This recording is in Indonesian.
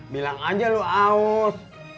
bilang aja lu aus